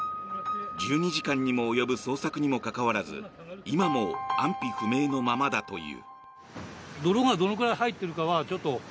１２時間にも及ぶ捜索にもかかわらず今も安否不明のままだという。